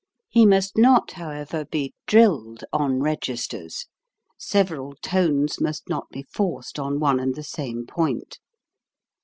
He must not, however, be drilled on registers; several tones must not be forced on one and the same point.